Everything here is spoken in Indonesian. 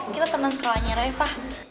kita teman sekolahnya reva